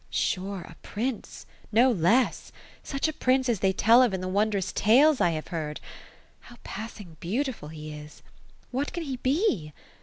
^* Sure, a prince — no less; such a prince as they tell of in the wondrous tales I have heard. How passing beautiful he is ! What can he be